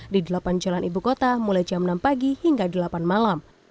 di delapan jalan ibu kota mulai jam enam pagi hingga delapan malam